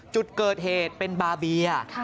จุดเกิดเหตุเป็นบาเบีย